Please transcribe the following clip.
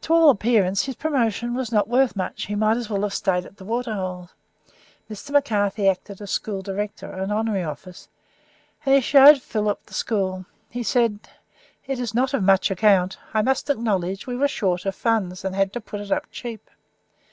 To all appearance his promotion was not worth much; he might as well have stayed at the Waterholes. Mr. McCarthy acted as school director an honorary office and he showed Philip the school. He said: "It is not of much account, I must acknowledge; we were short of funds, and had to put it up cheap.